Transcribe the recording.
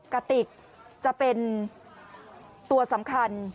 กติกจะเป็นตัวสำคัญ